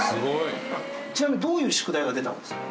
ちなみにどういう宿題が出たんですか？